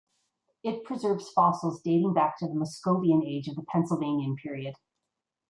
It preserves fossils dating back to the Moscovian Age of the Pennsylvanian Period.